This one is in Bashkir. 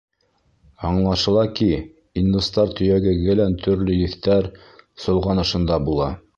Аңлашыла ки, индустар төйәге гелән төрлө еҫтәр солғанышында була.